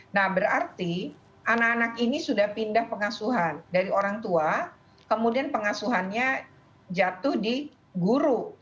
nah berarti anak anak ini sudah pindah pengasuhan dari orang tua kemudian pengasuhannya jatuh di guru